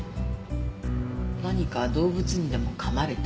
何か動物にでも噛まれた？